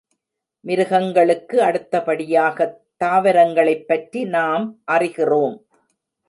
மிருகங்களுக்கு அடுத்தபடியாகத் தாவரங்களைப் பற்றி நம் அறிகிறோம்.